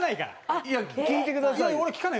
いや聞いてくださいよ。